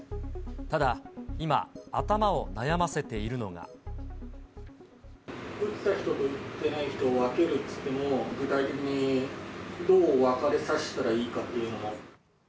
ただ、今、打った人と打ってない人を分けるっていっても、具体的にどう分かれさせたらいいかっていうのも。